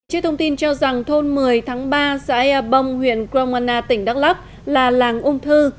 trên thông tin cho rằng thôn một mươi tháng ba xã ea bông huyện grongana tỉnh đắk lắk là làng ung thư